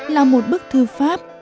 là một bức thư pháp